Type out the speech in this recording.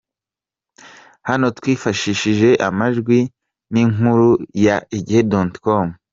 Hano twifashishije amajwi n’inkuru ya Igihe.com